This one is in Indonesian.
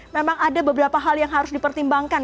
memang ada beberapa hal yang harus dipertimbangkan